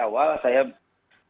dan akan terjadi